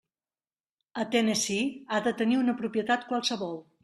A Tennessee, ha de tenir una propietat qualsevol.